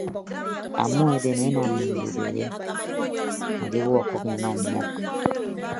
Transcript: Ọmmọ eben enam mbubehe aadiiwuọ ọkʌk inọ ọmmọ.